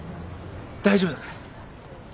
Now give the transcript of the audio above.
大丈夫だから。